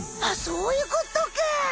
そういうことか！